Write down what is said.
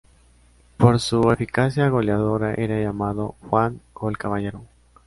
Por su eficacia goleadora era llamado Juan ""Gol"" Caballero.